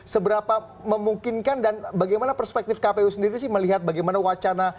seberapa memungkinkan dan bagaimana perspektif kpu sendiri sih melihat bagaimana wacana